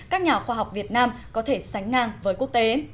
các nhà khoa học việt nam có thể sánh ngang với quốc tế